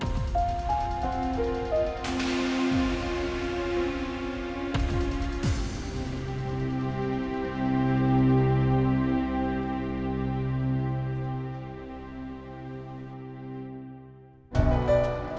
udah jam setengah tiga